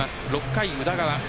６回、宇田川。